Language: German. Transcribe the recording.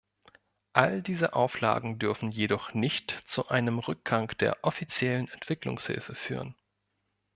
All diese Auflagen dürfen jedoch nicht zu einem Rückgang der offiziellen Entwicklungshilfe führen.